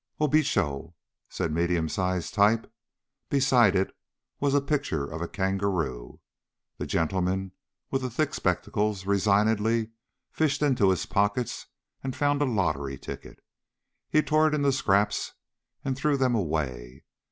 "O Bicho," said medium sized type. Beside it was a picture of a kangaroo. The gentleman with the thick spectacles resignedly fished into his pockets and found a lottery ticket. He tore it into scraps and threw them away.